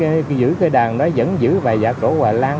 thì cô gái vẫn giữ cái đàn đó vẫn giữ bài giả cổ hoài lan